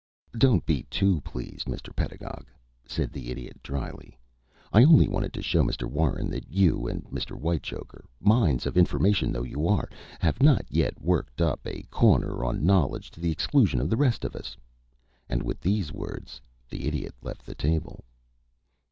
"Don't be too pleased, Mr. Pedagog," said the Idiot, dryly. "I only wanted to show Mr. Warren that you and Mr. Whitechoker, mines of information though you are, have not as yet worked up a corner on knowledge to the exclusion of the rest of us." And with these words the Idiot left the table.